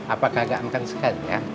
apakah gak makan sekali ya